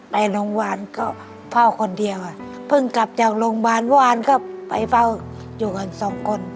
ไปโรงพยาบาลก็เฝ้าคนเดียวค่ะเพิ่งกลับจากโรงพยาบาลเมื่อวานก็ไปเฝ้าอยู่กันสองคน